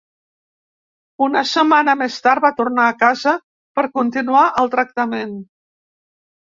Una setmana més tard va tornar a casa per continuar el tractament.